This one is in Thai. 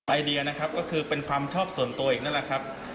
ไอเดียนะครับก็คือเป็นความชอบส่วนตัวอีกนั่นแหละครับ